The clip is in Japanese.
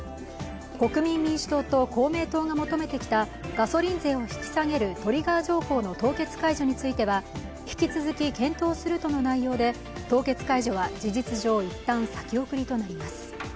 国民民主党と公明党が求めてきたガソリン税を引き下げるトリガー条項の凍結解除については引き続き検討するとの内容で、凍結解除は事実上、一旦先送りとなります。